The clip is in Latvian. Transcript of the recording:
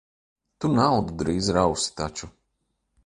Tu naudu drīz rausi taču.